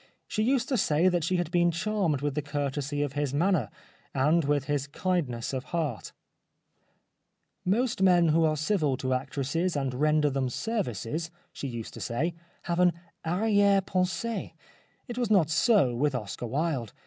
She used to say that she had been charmed with the courtesy of his manner, and with his kindness of 180 The Life of Oscar Wilde heart. " Most men who are civil to actresses and render them services/' she used to say, " have an arriere pensee. It was not so with Oscar Wilde.